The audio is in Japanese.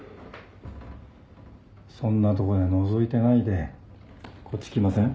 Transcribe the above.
そんなとこでのぞいてないでこっち来ません？